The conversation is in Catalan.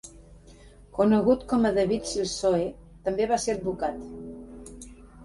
Conegut com a David Silsoe, també va ser advocat.